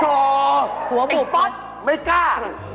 เสียดังโอ้โฮหัวหมู่ป๊อสไม่กล้า